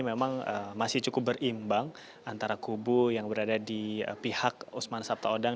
memang masih cukup berimbang antara kubu yang berada di pihak usman sabtaodang